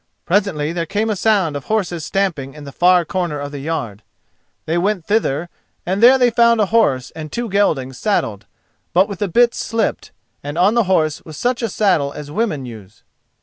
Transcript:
Presently there came a sound of horses stamping in the far corner of the yard. They went thither, and there they found a horse and two geldings saddled, but with the bits slipped, and on the horse was such a saddle as women use.